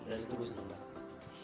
dan itu gue seneng banget